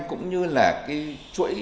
cũng như là cái chuỗi